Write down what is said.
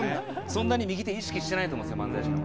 そんなに右手意識してないと思うんですよ